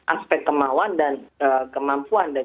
aspek kemauan dan kemampuan